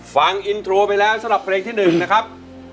ฟังอินโทรไปแล้วสำหรับเพลงที่๑นะครับ